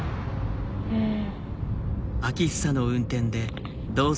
うん。